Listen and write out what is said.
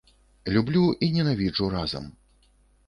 Люблю і ненавіджу разам.